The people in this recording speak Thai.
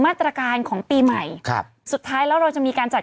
มาตรการของปีใหม่ครับสุดท้ายแล้วเราจะมีการจัด